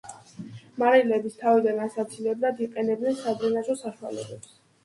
მარილების თავიდან ასაცილებლად იყენებენ სადრენაჟო საშუალებებს.